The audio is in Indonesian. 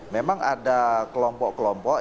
memang ada kelompok kelompok